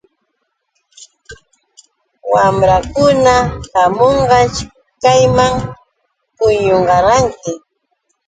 Wamrankuna hamunqash kaywan puñunqariki.